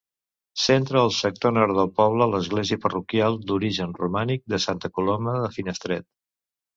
Centra el sector nord del poble l'església parroquial, d'origen romànic, de Santa Coloma de Finestret.